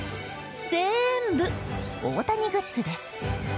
全部、大谷グッズです。